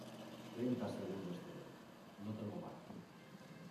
treinta segundos te doy. no tengo margen .